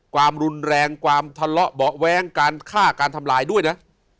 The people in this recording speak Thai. ความรุนแรงความทะเลาะเบาะแว้งการฆ่าการทำลายด้วยนะ